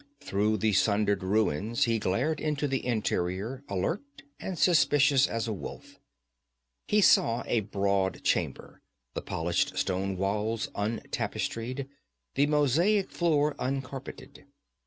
Through the sundered ruins he glared into the interior, alert and suspicious as a wolf. He saw a broad chamber, the polished stone walls untapestried, the mosaic floor uncarpeted.